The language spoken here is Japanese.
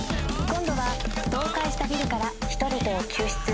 「今度は倒壊したビルから人々を救出」